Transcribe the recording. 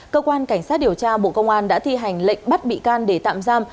cơ quan cảnh sát điều tra bộ công an đã thi hành lệnh bắt bị can để tạm giam